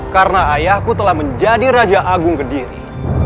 karena ayahku telah menjadi raja agung kediri